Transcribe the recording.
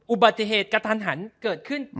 อุบัติเหตุกระทันหันเกิดขึ้น